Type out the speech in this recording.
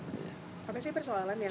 apa sih persoalan yang